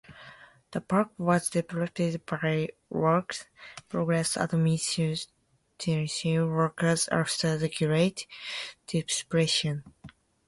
The park was developed by Works Progress Administration workers after the Great Depression.